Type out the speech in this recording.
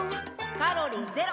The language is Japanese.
カロリーゼロ。